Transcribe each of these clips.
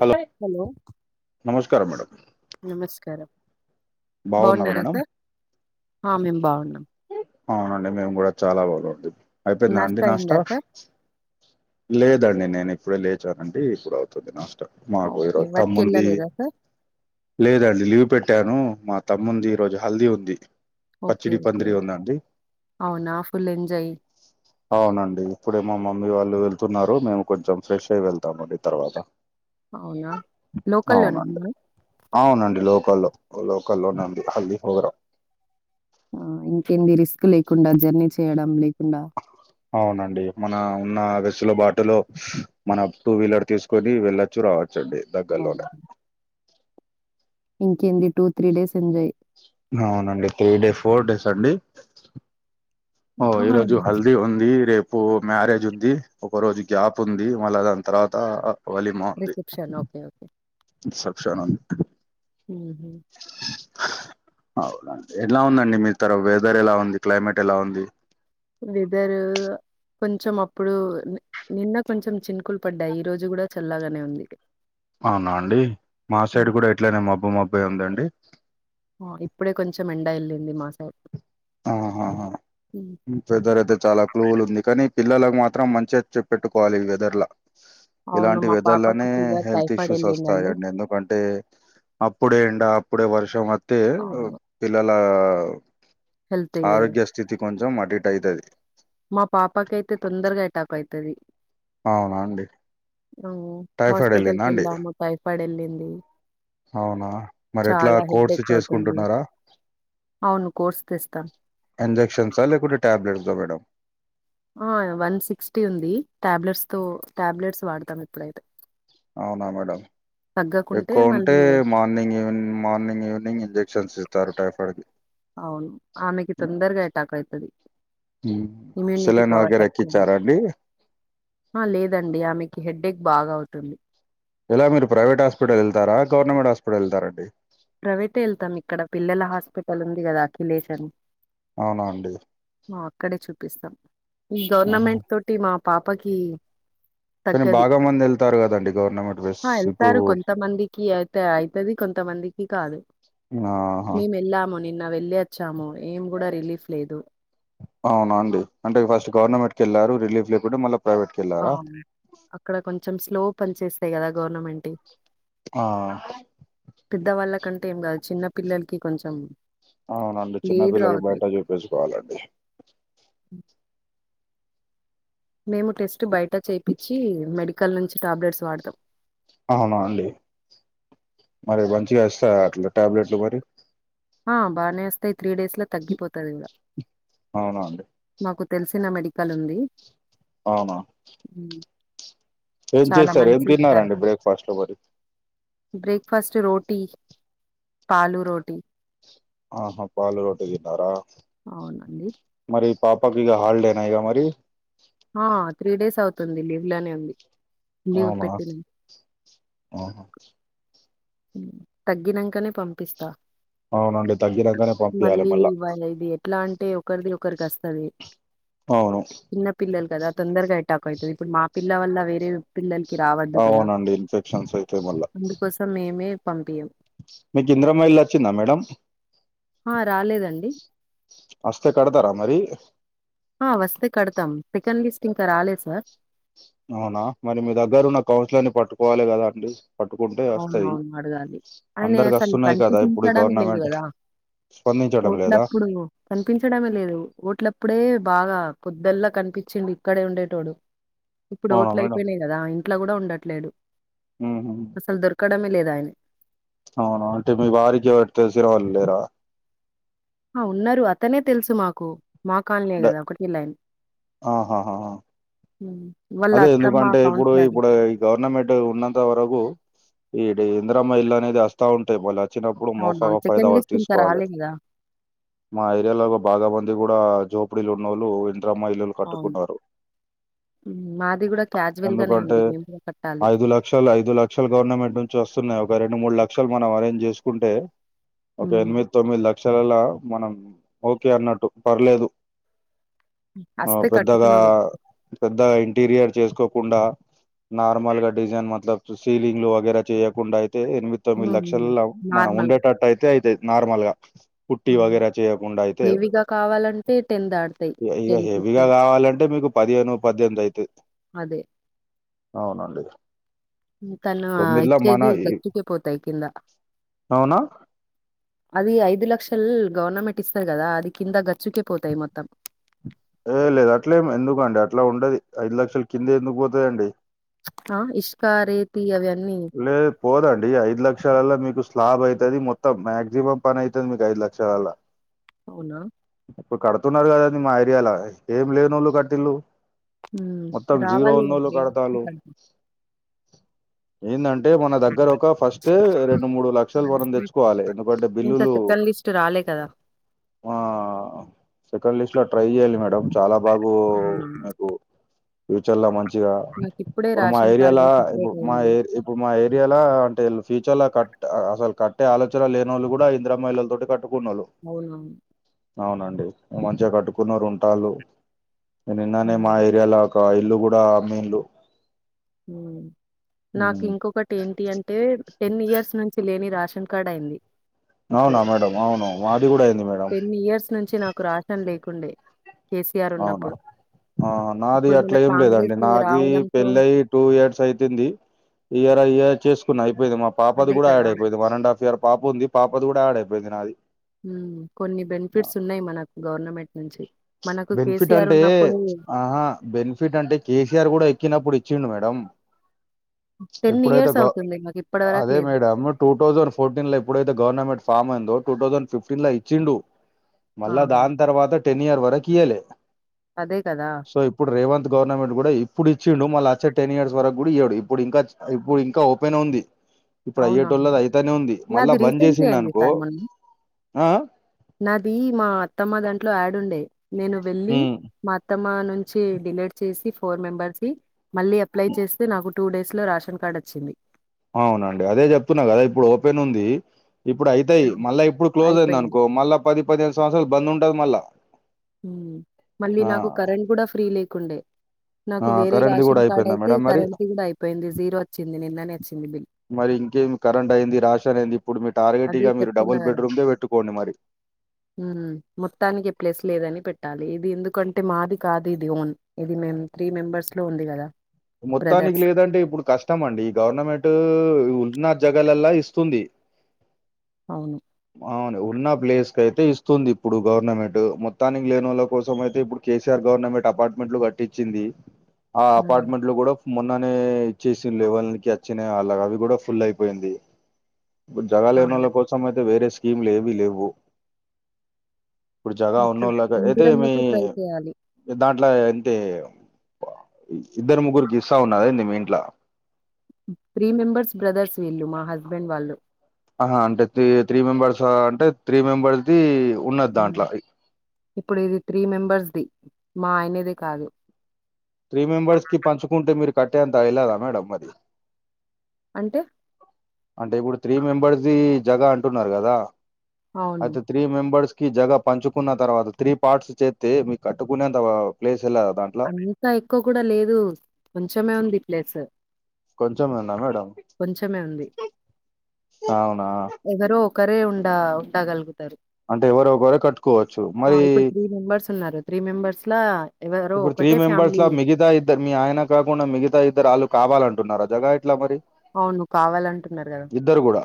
Hello hello నమస్కారం madam నమస్కారం బాగున్నారా సార్ ఆ మేమ్ బాగున్నాం అవునండి మేము కూడా చాలా బాగుంది అయిపోయిందా నాస్తా అండి అయిందా నాస్టా సార్ లేదండి నేను ఇప్పుడే లేచానండీ ఇప్పుడు అవుతుంది నాక్ మాకు [unintelligible] ఈడ ఓకే ఓ వర్క్ తమ్ముందీ వెళ్ళలేదా సార్ లేదండి లీవ్ పెట్టాను మా తమ్ముంది ఈ రోజు హల్దీ ఉంది ఓకే పచ్చిడి ఓకే పందిరి ఉంది అండి అవునా ఫుల్ ఎంజాయ్ అవున అండి ఇప్పుడే మా మమ్మీ వాళ్ళు వెళ్తున్నారు మేము కొంచెం ఫ్రెష్ అయి వెళ్తామ అండి తర్వాత అవునా లోకల్లోనే అవునండి అవునండి లోకల్లో లోకల్లోనండి హల్దీ ప్రోగ్రాం ఆ ఇంకేంది రిస్క్ లేకుండా జర్నీ చేయడం లేకుండా అవునండి మన ఉన్న వేసుల బాటులో మన టూ వీలర్ తీసుకొని వెళచ్చు రావచ్చు అండి దగ్గరలోనే ఇంకేంది టూ త్రీ డేస్ ఎంజాయ్ అవునండి త్రీ డే ఫోర్ డేస్ అండి ఓ ఈ ఆహా రోజు హల్ది ఉంది రేపు ఇప్పు మ్యారేజ్ ఉంది ఒక రోజు గ్యాప్ ఉంది మళ్ళ దాని తర్వాత వలిమా ఉంది రిసెప్షన్ ఓకే ఓకే శబ్శాన [unintelligible] హు హామ్ అవునండి ఎలా ఉందండి మీ తర వెదర్ ఎలా ఉంది క్లైమేట్ ఎలా ఉంది వెదర్ కొంచం అప్పుడు నిన్న కొంచం చినుకులు పడ్డాయి ఈ రోజు కూడా చల్లగానే ఉంది అవునా అండి మా ఉమ్. సైడ్ కూడా ఎట్లనే మబ్బు మబ్బీ ఉందండి ఓ ఇప్పుడే కొంచం ఎండ వెళ్ళింది మా సైడ్ ఆహాహా వెదర్ అయితే చాలా కూల్ ఉంది కానీ పిల్లలకు మాత్రం మంచిగా చెప్పెట్టుకోవాలి వెదర్ ల అవును. ఇలాంటి మా పాపకి వేదర్లానే ఫీవర్, హెల్త్ టైఫాయిడ్ ఇష్యూస్ ఎళ్ళిందండి. వస్తాయండి ఎందుకంటే అప్పుడే ఎండా అప్పుడే వర్షం వతే అవును. పిల్లల హెల్త్ ఇదే. ఆరోగ్య స్థితి కొంచెం అటు ఇటు అయితది మా పాపకి అయితే తొందరగా అటాక్ అయితది అవునా అండి ఉం టైఫాయిడ్ వెళ్ళిందా హాస్పిటల్కి అండి వెళ్దాము టైఫాయిడ్ వెళ్ళింది అవునా మరి ఎట్లా కోర్సు అవుతుంది. చేసుకుంటున్నారా అవును. కోర్స్ తెస్తాం. ఇంజెక్షన్సా లేకుంటే టాబ్లేటసా మేడం ఆ వన్ సిక్సటి ఉంది టాబ్లెట్స్ తో టాబ్లెట్స్ వాడతాం ఎప్పుడైనా అవునా మేడం తగ్గకుంటే ఎక్కువ ఉంటే మళ్ళీ morning evening morning evening injections ఇస్తారు టైఫాయిడ్ కీ అవును ఆమెకి తొందరగా ఎటాక్ అయితాది ఉమ్. ఇమ్యూనిటీ సెలైన్ పవర్ వగైరా తక్కువ ఉంది ఎక్కిచ్చారా అండి ఆ లేదండి ఆమెకి హెడేక్ బాగా అవుతుంది ఇలా మీరు ప్రవేట్ హాస్పిటల్ వెళ్తారా గవర్నమెంట్ హాస్పిటల్ వెళ్తారండి ప్రైవేటే వెళ్తాం ఇక్కడ పిల్లల హాస్పిటల్ ఉంది కదా అఖిలేష్ అని అవునా అండి మో అక్కడే చూపిస్తాం ఈ ఆహా గవర్నమెంట్ తోటి మా పాపకి కానీ తగ్గది బాగా మంది వెళ్తారు కదండి గవర్నమెంట్ రష్ ఇప్పుడు కీ అయితే అయితది కొంతమందికి కాదు ఆహా మేము వెళ్ళాము నిన్న వెళ్ళి వచ్చాము ఏం కూడా రిలీఫ్ లేదు అవునా అండి అంటే ఫస్ట్ గవర్నమెంట్ కి వెళ్ళారు రిలీఫ్ లేకుండా మళ్ళీ ప్రైవేట్ కి వెళ్ళారా అవును అక్కడ కొంచెం స్లో పని చేస్తాయి కదా గోవర్నమెంట్యి ఆ పెద్దవాళ్ళ కంటే ఏం గాదు చిన్న పిల్లలకి కొంచెం అవునండి లేట్గా చిన్నపిల్లలు అవుతాయి బయట చూపిచ్చుకోవాలండి మేము టెస్ట్ బయట చేయిపించి మెడికల్ నుంచి టాబ్లెట్స్ వాడదాం అవునా అండి మరి మంచిగా ఇస్తారా అట్లా టాబ్లెట్లు మరి ఆ బాగానే వస్తాయి త్రీ డేస్ లో తగ్గిపోతాది అవునండి మాకు తెలిసిన మెడికల్ ఉంది అవునా ఉమ్ ఏం చేస్తారు ఏం తిన్నారండి బ్రేక్ఫాస్ట్ లో మరి బ్రేక్ఫాస్ట్ రోటీ పాలు రోటీ ఆహా పాలు రోటి తిన్నారా అవునండి మరి పాపకి ఇగ హాలిడేనా ఇగ మరి ఆ త్రీ డేస్ అవుతుంది లీవ్లోనే ఉంది లీవ్ అవునా పెట్టిన ఆహా తగినంకానే పంపిస్తా అవునండి తగ్గినంకనే పంపియాలి మళ్ళీ మళ్ళా వాళ్ళ ఇది ఎట్లా అంటే ఒకరిది ఒకరికి వస్తది అవును చిన్న పిల్లలు కదా తొందరగా ఎటాక్ అవుతుంది ఇప్పుడు మా పిల్ల వల్ల వేరే పిల్లలకి రావద్దు కదా అవునండి ఇన్ఫెక్షన్స్ అయితే మళ్ళా అందుకోసం మేమే పంపియం మీకు ఇందిరమ్మ ఇల్లు వచ్చిందా మేడంమ్ ఆ రాలేదండి అస్తే కడతారా మరి హా వస్తే కడతాం సెకండ్ లిస్ట్ ఇంకా రాలేదు సార్ అవునా మరి మీ దగ్గర ఉన్న కౌన్సిలర్ని పట్టుకోవాలి కదా అండి పట్టుకుంటే వస్తాయి అవునవును. అడగాలి. ఆయన అందరికి అసలు వస్తున్నాయి కదా ఇప్పుడు కనిపించడమే లేదు గవర్నమెంట్ కదా! స్పందించడం లేదా ఓట్లప్పుడు కనిపించడమే లేదు ఓట్ల అప్పుడే బాగా పొదాల కనిపిచిండు ఇక్కడే ఉండేటోడు ఇప్పుడు అవునా ఓట్ల మేడం అయిపోయినాయి కదా ఇంట్లో కూడా ఉండట్లేదు ఊహూ అసలు దొరకడమే లేదు అయనే అవును అంటే మీ వారికి ఎవరూ తెలిసిన వాళ్ళు లేరా ఆ ఉన్నారు అతనే తెలుసు మాకు మా కాలనీయే కదా ఒకటే లైన్ ఆ హా హా ఊ అదే ఎందుకంటే ఇప్పుడు ఇప్పుడై గవర్నమెంట్ ఉన్నంత వరకూ ఈడ ఇందిరమ్మ ఇళ్ల అనేది అస్తా ఉంటాయి వాళ్ళ చిన్నప్పుడు అవునవును. మోఫావా ఫయిదా సెకండ్ వాటి లిస్ట్ ఇంకా తీసుకోవాలి రాలే కదా! మా ఏరియాలోగా బాగా బంది కూడా జోపిడిల్లు ఉన్నోళ్ళు ఇంద్రమ్మ ఇల్లులు కట్టుకున్నారు ఉమ్ మా ఎందుకంటే ఐదు లక్షల ఐదు ల క్షలు గవర్నమెంట్ నుంచి వస్తున్నాయి ఒక రెండు మూడు లక్షలు మనం అరేంజ్ చేసుకుంటే ఒక హ్మ్. ఎనిమి తొమ్మిది లక్షలల్లా మనం ఓకే అన్నట్టు పర్లేదు ఆ అస్తే పెద్దగా కట్టుకునుడే. ద ఇంటీరియర్ చేసుకోకుండా నార్మల్ గా డిజైన్ మత్ల సీలింగ్ లు వగైరా చెయ్యకుండా అయితే ఎనిమి హ్మ్. తొమ్మిది హ్మ్. లక్షల్ల మనం నార్మల్‌గా. ఉండేటట్టు అయితే అయితయి నార్మల్ గా పుట్టి హ్మ్. వగైరా చెయ్యకుండా అయితే హెవీగా కావాలంటే దాడతాయి. ఇగ ఇగ హెవీగా కావాలంటే మీకు పదిహేను పద్దెనిమిది అయితయి అదే. అవునండి ఇం తన తొమ్మిదిలో మన ఇచ్చేది గచ్చుకే పోతాయి కింద అవునా అవి ఐదు లక్షల్ గవర్నమెంట్ ఇస్తది కదా అది కింద గచ్చుకే పోతాయి మొత్తం ఏ లేదు అట్లేం ఎందుకు అండి అట్లా ఉండది ఐదు లక్షల కింద ఎందుకు పోతాయి అండి ఆ ఇష్క రేతి అవి అన్నీ లేదు పోదండి ఐదు లక్షలల్లా మీకు స్లాబ్ అయితది మొత్తం మాక్సిమం పని అయితది మీకు ఐదు లక్షలల్ల అవునా ఇప్పుడు కడుతున్నారు కదండీ మా ఏరియాల ఏం లేనోళ్ళు కట్టిల్లు హ్మ్ మొత్తం జీరో రావాలి ఉన్నోళ్ళు కదండీ కడతాల్లు ఏందం టే మన దగ్గర ఒక ఫస్టే రెండు మూడు లక్షలు మనం తెచ్చుకోవాలి ఎందుకంటే ఇంకా బిల్లులు సెకండ్ లిస్ట్ రాలే కదా మా సెకండ్ లిస్ట్ లో ట్రై చెయ్యాలి మేడం చాలా బాగు అవునవును. మీకు ఫ్యూచర్ లో మంచిగా నాకు ఇప్పుడే ఇప్పుడు మా రేషన్ ఏరియాల కార్డ్ సెపరేట్ ఇప్పుడు మా అయింది. ఏర్ ఇప్పుడు మా ఏరియాలో అంటే ల్ ఫ్యూచర్ లా కట్ అసలు కట్టే ఆలోచన లేనోళ్ళు కూడా ఇందిరమ్మ ఇళ్ళల తోటే కట్టుకునోళ్లు మౌనం అవునండి మంచిగా కట్టుకున్నారు ఉంటాల్లు నే నిన్ననే మా హ్మ్. ఏరియాల క ఇల్లు కూడా అమ్మిన్లు నాకు ఇంకొకటి ఏంటి అంటే టెన్ ఇయర్స్ నుంచి లేని రాషన్ కార్డ్ అయ్యింది అవునా ఇప్పుడు మేడం అవును మాది కూడా అయింది మేడం టెన్ ఇయర్స్ నుంచి నాకు రాషన్ లేకుండే కేసీఆర్ అవునా ఉన్నప్పుడు. ఆ నాది ఇప్పుడు మన అట్లా ఏం లేదండి కాంగ్రెస్ నాకీ రావడంతో పెళ్ళై టూ ఇయర్స్ అయితుంది ఇయరయ్యే చేసుకున్నా అయిపోయింది మా పాపది అదే కూడా కదా! యాడ్ అయిపోయిది వన్ అండ్ హాఫ్ ఇయర్ పాప ఉంది పాపది కూడా యాడ్ అయిపోయింది నాది మ్ కొన్ని ఆ! బెనిఫిట్స్ ఉన్నాయి మనకు గవర్నమెంట్ నుంచి మనకు బెనిఫిట్ కేసీఆర్ అంటే ఉన్నప్పుడు ఆహా బెనిఫిట్ అంటే కేసీఆర్ కూడా ఎక్కినప్పుడు ఇచ్చిడు మేడం ఎప్పుడైతే ఇయర్స్ గౌ అవుతుంది. మాకిప్పటి వరకు అదే లేదు. మేడంమ్ టూ థౌండ్ ఫోర్టీన్ ల ఎప్పుడైతేవర్నమెంట్ ఫార్మ్ అయిందోటు థౌసండ్ ఫిఫ్న్ లో ఇచ్చిండు మళ్ళా ఆహా! దాని తర్వాత టెన్ ఇయర్ వరకు ఇయ్యలే అదే కదా సో ఇప్పుడు రేవంత్ గవర్నమెంట్ కూడా ఇప్పుడు ఇచ్చిండుళ్ళ వచ్చే టెన్ ఇయర్స్ వరకు కూడా ఇయడు ఇప్పుడు ఇంకా ఇప్పుడు ఇంకా ఓపెన్ ఉంది ఇప్పుడు అవునవును. అయ్యేటోళ్ళది అయితనే ఉంది మళ్ళా నాది బంద్ రీసెంట్‌లీ అయింది చేసిండనుకో సార్ మొన్న. ఆ ఆ నాది మా అత్తమ్మ దాంట్లో యాడుండే నేను వెళ్ళి ఉమ్ మా అత్తమ్మ నుంచి డిలీట్ చేసి ఫోర్ మెంబర్స్ కి మళ్ళీ అప్లై చేస్తే నాకు టూ డేస్ లో రాషన్ కార్డ్ వచ్చింది అవునండి అదే చెప్తున్నా కదా ఇప్పుడు ఓపెన్ ఉంది ఇప్పుడు అయితాయి ఆ! మళ్ళా ఇప్పుడు క్లోజ్ అయింది అయిపోయింది. అనుకో మళ్ళా పది పదిహేమిను సంవత్సరాలు బంద్ ఉంటది మళ్ళా మ్ మళ్ళీ ఆ నాకు కరెంట్ కూడా ఫ్రీ లేకుండే ఆ నాకు వేరే కరెంట్ది కూడా రాషన్ కార్డ్ అయిపోయిందా అయితే మేడం మరి కరెంట్ ది కూడా అయిపోయింది జీరో వచ్చింది నిన్ననే వచ్చింది బిల్ మరి ఇంకేమి కరెంట్ అయింది రాన్ అంది ఇప్పుడు మీరు అదే టార్గెట్గా మీరు చెప్తున్నా డబుల్ బెడ్రుకే పెట్టుకోండి మరి మ్ మొత్తానికే ప్లేస్ లేదని పెట్టాలి ఇది ఎందుకంటే మాది కాదు ఇది ఓన్ ఇది మేం త్రీ మెంబర్స్ లో ఉంది కదా మొత్తానికి బ్రదర్స్ లేదంటే ఇప్పుడు కష్టం అండి ఈ గవర్నమెంట్ ఉన్న జగాలలో ఇస్తుంది అవును అవును ఉన్న ప్లేస్ కి అయితే ఇస్తుంది ఇప్పుడు గవర్నమెంట్ మొత్తానికి లేని వాళ్ళ కోసం అయితే ఇప్పుడు కేసీఆర్ గవర్నమెంట్ అపార్ట్మెంట్లు కట్టించింది ఆ ఉమ్ అపార్ట్మెంట్ లో కూడా మొన్ననే ఇచ్చేసే లేవల్కి వచ్చినయ్ అళ్ళ అవికూడా ఫుల్ అయిపోయింది ఇప్పుడు జగ లేని వాళ్ళ అవును కోసం అయితే వేరే స్కీమ్లు ఏవీ లేవు ఇప్పుడు జగ ఉన్న ఓకే వాళ్లకైతే మి ఇందిరమ్మకి ట్రై చేయాలి ఇగ దాంట్ల అంతే ఇద్దరు ముగ్గురికి ఇస్తా ఉన్నారా ఏంది మీ ఇంట్ల త్రీ మెంబర్స్ బ్రదర్స్ వీళ్ళు మా హస్బెండ్ వాళ్ళు ఆహా అంటే త్రి త్రీ మెంబర్స్ అంటే త్రీ మెంబర్స్ ది ఉన్నది మ్ దాంట్ల ఇప్పుడు ఇది త్రీ మెంబర్స్ ది మా ఆయనది కాదు త్రీ మెంబర్స్ కి పంచుకుంటే మీరు కట్టే అంత ఎల్లదా మేడం అది అంటే అంటే ఇప్పుడు త్రీ మెంబర్స్ జగ అంటున్నారు కదా అవును అయితే త్రీ మెంబర్స్ కి జగ పంచుకున్న తర్వాత త్రీ పార్ట్స్ చేస్తే మీ కట్టుకున్న ప్లేస్ ఎలా దాన్ట్ల అంత ఎక్కువ కూడా లేదు కొంచెమే ఉంది ప్లేస్ కొంచమే ఉందా మేడం కొంచెమే ఉంది అవునా ఎవరో ఒకరే ఉండ ఉండగలుగుతారు అంటే ఎవరో ఒకరే కట్టుకోవచ్చు మరి త్రి మెంబర్స్ ఉన్నారు త్రీ మెంబర్స్ లా ఎవరో ఇప్పుడు త్రీ ఒకటే మెంబర్స్ ఫ్యామిలీ లా మిగతా ఇద్దరు మీ ఆయన కాకుండా మిగతా ఇద్దరు వాళ్ళు కావాలంటున్నార జగా ఎట్ల మరి అవును కావాలంటున్నారు కదా ఇద్దరు కూడా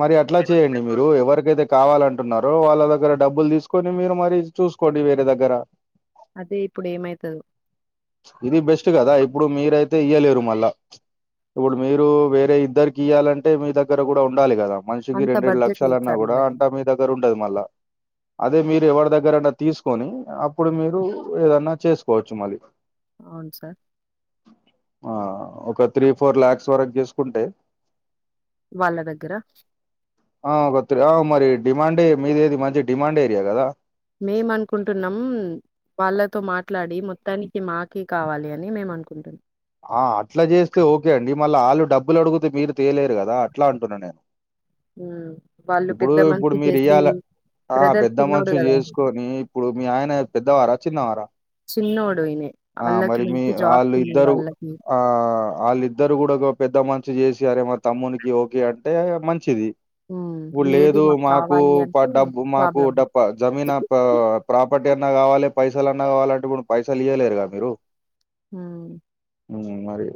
మరి అట్లా చేయండి మీరు ఎవరికైతే కావాలంటున్నారో వాళ్ళ దగ్గర డబ్బులు తీసుకొని మీరు మరి చూసుకోండి వేరే దగ్గర అదే ఇప్పుడు ఏమైతదో ఇది బెస్ట్ కదా ఇప్పుడు మీరైతే ఇయ్యలేరు మళ్ళా ఇప్పుడు మీరు వేరే ఇద్దరికి ఇయాలంటే మీ దగ్గర కూడా ఉండాలి కదా మనిషికి అంత రెండు బడ్జెట్ రెండులక్షలు లేదు అన్నా సార్ మా కూడా అంతా మీ దగ్గర దగ్గర ఉండదు మల్ల అదే మీరు ఎవరి దగ్గర అన్న తీసు కొని అప్పుడు మీరు ఏదన్నా చేసుకోవచ్చు మళ్ళీ అవును సార్ ఆ ఒక త్రీ ఫోర్ లాక్స్ వరకు తీసుకుంటే వాళ్ళ దగ్గర ఆ మరి డిమాండే మీది ఏది మంచి డిమాండ్ ఏరియా కదా మేము అనుకుంటున్నాం వాళ్ళతో మాట్లాడి మొత్తానికి మాకే కావాలి అని మేము అనుకుంటున్నాం ఆ అట్లా చేస్తే ఓకే అండి మళ్ళ వాళ్ళు డబ్బులు అడుగుతే మీరు తేయలేరు కదా అట్లా అంటున్నాను నేను ఉమ్ వాళ్ళు ఇప్పుడు పెద్ద ఇప్పుడు మనసు చేసి మీరియ్యాల ఆ బ్రదర్ పెద్ద చిన్నోడు మనసు గదా! చేసుకొని ఇప్పుడు మీ ఆయన పెద్దవారా చిన్నవార చిన్నోడు ఈయనే. ఆ ఆళ్ళకి మరి మీ మంచి జాబ్స్ వాళ్ళు ఉన్నాయి ఇద్దరు వాళ్ళకి. ఆ ఆళ్ళిద్దరు కూడా పెద్దమనిషి చేసి అరే మా తమ్మునికి ఓకే అంటే మంచిది హ్మ్. ఇప్పుడు లేదు మాకు కావాలి అంటే డబ్బు మాకు ప్రాబ్లమ్. డబ్బ జమీన్ ప్రాపర్టీ అన్నా కావాలె పైసలన్నా కావాలంటే ఇప్పుడు పైసలు ఇవ్వలేరుగా మీరు ఉమ్ మరి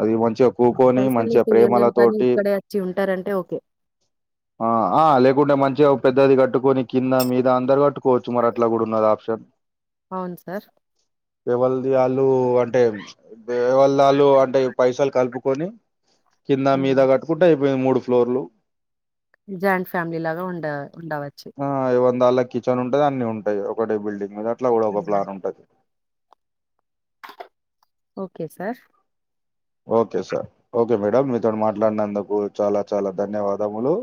అది మంచిగా కూకోని మంచిగా పైసలైతే ఇయ్యలేము కానీ ప్రేమలతోటి ఇక్కడే అచ్చి ఉంటారంటే ఓకే. ఆ లేకుంటే మంచిగా పెద్దది కట్టుకొని కింద మీద అందరు కట్టు కోవచ్చు మరి అట్లా కూడా ఉన్నది ఆప్షన్ అవును సార్. ఎవలది యాళ్ళు అంటే ఎవళ్ళు అంటే పైసలు కలుపుకొని కింద హ్మ్. మీద కట్టుకుంటే అయిపోయింది మూడు ఫ్లోర్లు జాయింట్ ఫ్యామిలీ లాగా ఉండ ఉండవచ్చు ఆ ఏవళ్ళది వాళ్ళు కి కిచెన్ ఉంటది అన్ని ఉంటాయి ఒకటే బిల్డింగ్ మీద అట్లా కూడా ఒక ప్లాన్ ఉంటది okay sir okay sir okay madam మీతో మాట్లాడినందుకు చాలా చాలా ధన్యవాదములు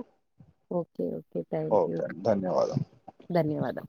ఓకే ఓకే ధన్యవాదాలు ధన్యవాదం